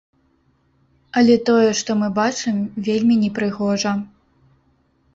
Але тое, што мы бачым, вельмі непрыгожа.